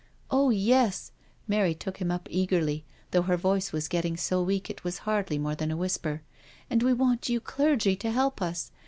'^" Oh yes," Mary took him up eagerly, though her voice was getting so weak it was hardly more than a whisper. '* And we want you clergy to help us.